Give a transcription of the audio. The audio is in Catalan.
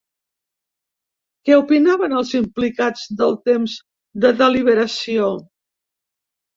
Què opinaven els implicats del temps de deliberació?